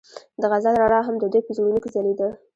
د غزل رڼا هم د دوی په زړونو کې ځلېده.